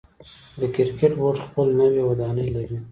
د کرکټ بورډ خپل نوی ودانۍ لري.